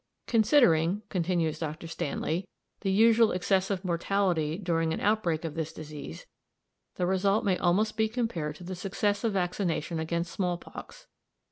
"Considering," continues Dr. Stanley, "the usual excessive mortality during an outbreak of this disease, the result may almost be compared to the success of vaccination against small pox.